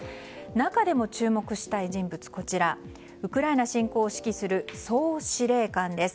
中でも注目したい人物がウクライナ侵攻を指揮する総司令官です。